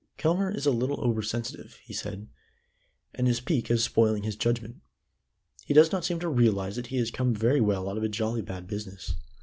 "Kelmare is a little over sensitive," he said, "and his pique is spoiling his judgment. He does not seem to realize that he has come very well out of a jolly bad business.